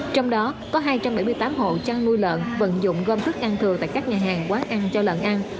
trong đó có hai trăm bảy mươi tám hộ chăn nuôi lợn vận dụng gom thức ăn thừa tại các nhà hàng quán ăn cho lợn ăn